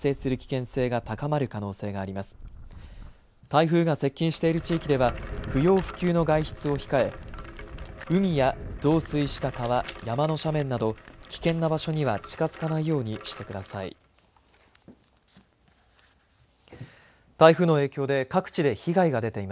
台風が接近している地域では不要不急の外出を控え、海や増水した川、山の斜面など危険な場所には近づかないようにしてください。